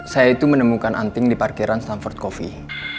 saya itu menemukan anting di parkiran sunford coffee